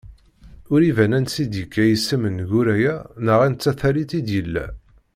Ur iban ansi d-yekka yisem n Guraya neɣ anta tallit i d-yella.